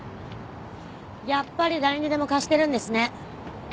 やっぱり誰にでも貸してるんですね。